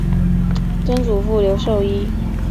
曾祖父刘寿一。